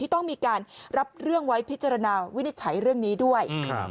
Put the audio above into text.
ต้องมีการรับเรื่องไว้พิจารณาวินิจฉัยเรื่องนี้ด้วย